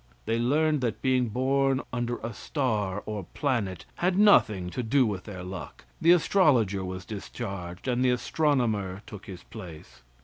They learned that being born under a star or planet had nothing to do with their luck; the astrologer was discharged and the astronomer took his place.